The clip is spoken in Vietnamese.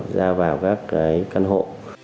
ra vào các cái căn hộ